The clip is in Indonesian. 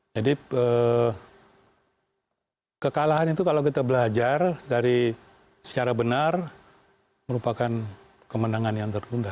jadi kekalahan itu kalau kita belajar dari secara benar merupakan kemenangan yang tertunda